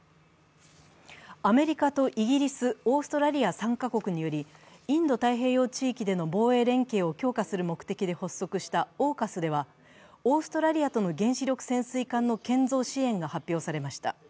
アメリカとイギリス、オーストラリア３カ国により、インド太平洋地域での防衛連携を強化する目的で発足したＡＵＫＵＳではオーストラリアとの原子力潜水艦の建造支援が発表されました。